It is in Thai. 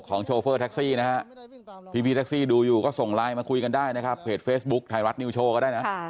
โอ้โหแท็กซี่มันรวยแค่ไหน